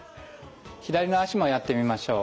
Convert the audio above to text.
左の脚もやってみましょう。